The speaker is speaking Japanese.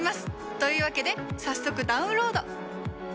というわけで早速ダウンロード！